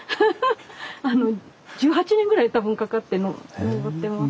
１８年ぐらい多分かかって登ってます。